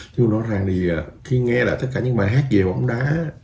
nhưng mà nói rằng thì khi nghe là tất cả những bài hát về bóng đá